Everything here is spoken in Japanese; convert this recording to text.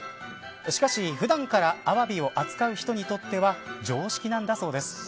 しかし、普段からアワビを扱う人にとっては常識なんだそうです。